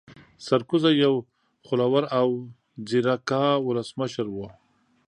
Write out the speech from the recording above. سرکوزی يو خوله ور او ځيرکا ولسمشر وو